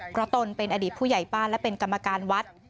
เพราะตนเป็นอดีตผู้ใหญ่บ้านและเป็นกรรมการวัด